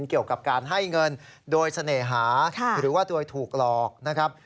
เกี่ยวกับการให้เงินโดยเสน่หาหรือว่าโดยถูกหลอกนะครับ